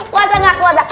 kuasa gak kuasa